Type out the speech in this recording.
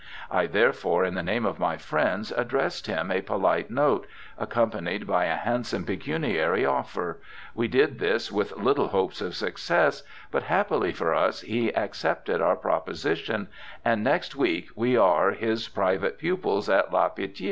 I therefore in the name of my friends addressed him a polite note, accompanied by a handsome pecuniary offer : we did this with little hopes of success, but happily for us he accepted our proposition, and next week we are his private pupils at La Pitie.